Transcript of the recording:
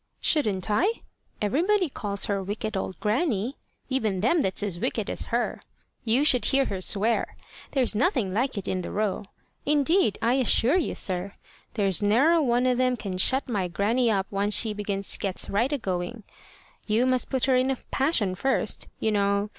"Shouldn't I? Everybody calls her wicked old grannie even them that's as wicked as her. You should hear her swear. There's nothing like it in the Row. Indeed, I assure you, sir, there's ne'er a one of them can shut my grannie up once she begins and gets right a going. You must put her in a passion first, you know.